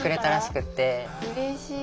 うれしい。